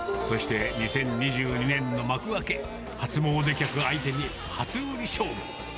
そして、２０２２年の幕開け、初詣客相手に、初売り勝負。